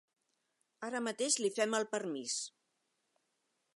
Ara mateix li fem el permís.